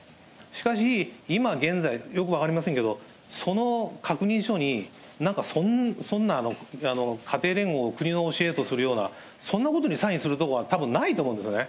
しかし、今現在、よく分かりませんけれども、その確認書に、なんか、そんな家庭連合を国の教えとするような、そんなことにサインするところはたぶんないと思うんですよね。